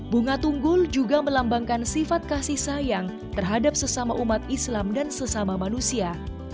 bunga tunggul juga melambangkan sifat kasih sayang terhadap sesama umat islam dan sesama manusia